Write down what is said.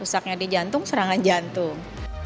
rusaknya di jantung serangan jantung